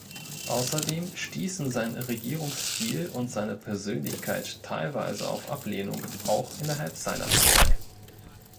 Außerdem stießen sein Regierungsstil und seine Persönlichkeit teilweise auf Ablehnung auch innerhalb seiner Partei.